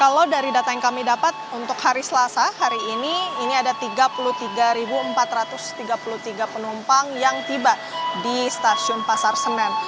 kalau dari data yang kami dapat untuk hari selasa hari ini ini ada tiga puluh tiga empat ratus tiga puluh tiga penumpang yang tiba di stasiun pasar senen